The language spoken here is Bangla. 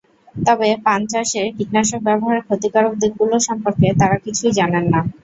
তবে পান চাষে কীটনাশক ব্যবহারের ক্ষতিকারক দিকগুলো সম্পর্কে তাঁরা কিছুই জানেন না।